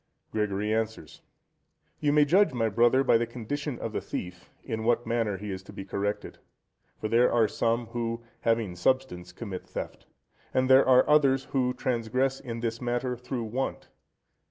Gregory answers.—You may judge, my brother, by the condition of the thief, in what manner he is to be corrected. For there are some, who, having substance, commit theft; and there are others, who transgress in this matter through want.